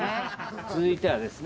続いてはですね